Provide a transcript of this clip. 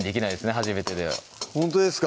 初めてでほんとですか？